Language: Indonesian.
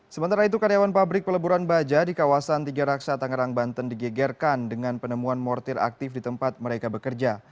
sementara itu karyawan pabrik peleburan baja di kawasan tiga raksa tangerang banten digegerkan dengan penemuan mortir aktif di tempat mereka bekerja